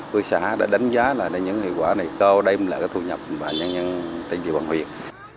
hội xã đã đánh giá là những hiệu quả này cao đem lại thu nhập vào nhân dân tây dịu bằng huyện